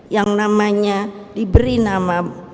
yang namanya diberi nama